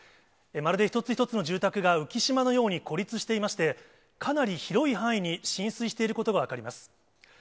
まるで一つ一つの住宅が浮島のように孤立していまして、かなり広い範囲に浸水していることが分かります。